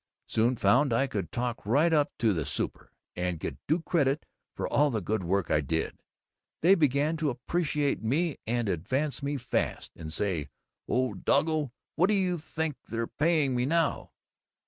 Soon found I could talk right up to the Super and get due credit for all the good work I did. They began to appreciate me and advance me fast, and say, old doggo, what do you think they're paying me now?